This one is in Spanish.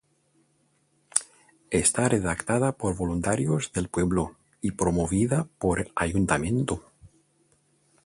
Está redactada por voluntarios del pueblo y promovida por el ayuntamiento.